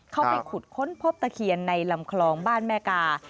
เข้าไปขุดค้นพบตะเคียนในลำคลองบ้านแม่กา